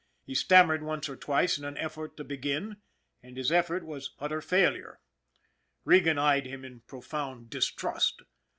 He stam mered once or twice in an effort to begin and his effort was utter failure. Regan eyed him in profound distrust.